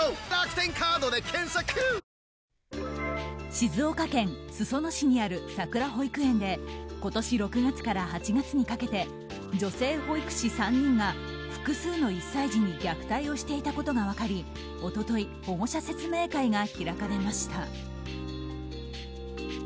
静岡県裾野市にあるさくら保育園で今年６月から８月にかけて女性保育士３人が複数の１歳児に虐待をしていたことが分かり一昨日、保護者説明会が開かれました。